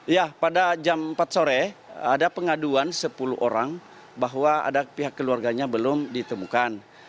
ya pada jam empat sore ada pengaduan sepuluh orang bahwa ada pihak keluarganya belum ditemukan